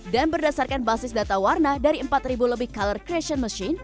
dan berdasarkan basis data warna dari empat lebih color creation machine